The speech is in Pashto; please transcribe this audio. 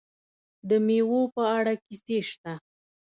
د میوو په اړه کیسې شته.